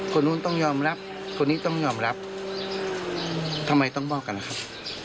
คนนู้นต้องยอมรับคนนี้ต้องยอมรับทำไมต้องบอกกันล่ะครับ